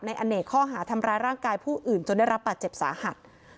อเนกข้อหาทำร้ายร่างกายผู้อื่นจนได้รับบาดเจ็บสาหัส